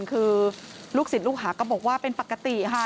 คือลูกศิษย์ลูกหาก็บอกว่าเป็นปกติค่ะ